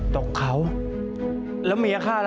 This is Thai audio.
ตกเขาแล้วเมียฆ่าล่ะ